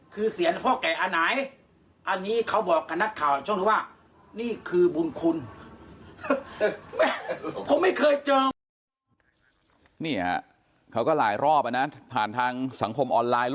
คือเสียรพ่อแก่อันไหนอันนี้เขาบอกกับนักข่าว